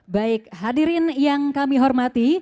baik hadirin yang kami hormati